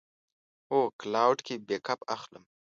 هو، کلاوډ کې بیک اپ اخلم